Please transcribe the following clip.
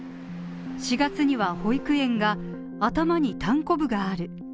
４月には保育園が頭にたんこぶがある。